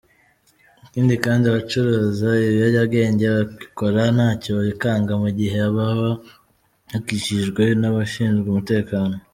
Ikindi kandi abacuruza ibiyobyabwenge babikora ntacyo bikanga mu gihe baba bakikijwe n’abashinzwe umutekano.